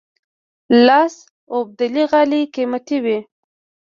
لاس اوبدلي غالۍ قیمتي وي.